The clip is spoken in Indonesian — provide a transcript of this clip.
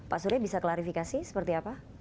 pak surya bisa klarifikasi seperti apa